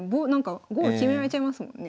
ゴール決められちゃいますもんね。